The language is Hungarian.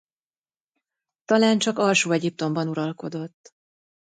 Talán csak Alsó-Egyiptomban uralkodott.